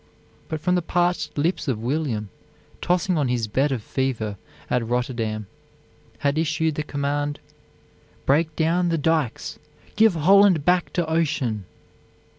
But from the parched lips of William, tossing on his bed of fever at Rotterdam, had issued the command: "_Break down the dikes: give Holland back to ocean!